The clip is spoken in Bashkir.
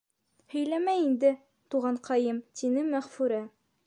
— Һөйләмә инде, туғанҡайым, — тине Мәғфүрә.